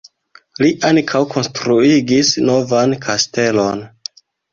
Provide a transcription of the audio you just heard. Li ankaŭ konstruigis novan kastelon.